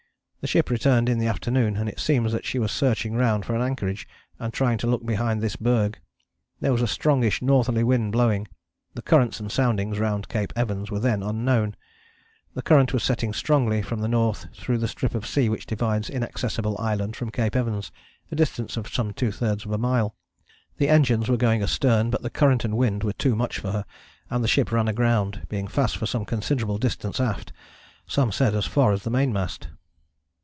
The ship returned in the afternoon, and it seems that she was searching round for an anchorage, and trying to look behind this berg. There was a strongish northerly wind blowing. The currents and soundings round Cape Evans were then unknown. The current was setting strongly from the north through the strip of sea which divides Inaccessible Island from Cape Evans, a distance of some two thirds of a mile. The engines were going astern, but the current and wind were too much for her, and the ship ran aground, being fast for some considerable distance aft some said as far as the mainmast.